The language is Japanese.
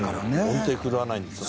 「音程狂わないんですよね」